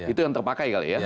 itu yang terpakai kali ya